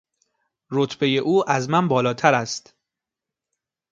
رتبهی او از من بالاتر است.